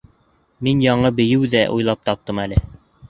Мин яңы бейеү ҙә уйлап таптым әле.